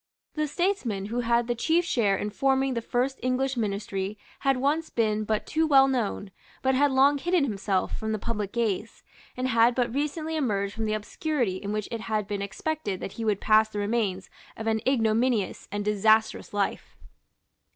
The statesman who had the chief share in forming the first English Ministry had once been but too well known, but had long hidden himself from the public gaze, and had but recently emerged from the obscurity in which it had been expected that he would pass the remains of an ignominious and disastrous life.